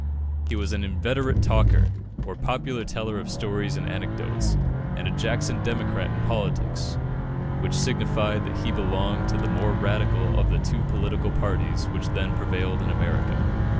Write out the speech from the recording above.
He was an inveterate talker, or popular teller of stories and anecdotes, and a Jackson Democrat in politics, which signified that he belonged to the more radical of the two political parties which then prevailed in America.